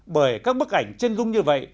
bởi các bức ảnh chân dung như vậy